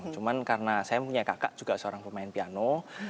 cuma karena saya punya kakak juga seorang pemain piano